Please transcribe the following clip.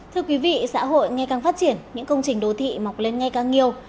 thưa quý vị xã hội ngay càng phát triển những công trình đô thị mọc lên ngay càng nhiều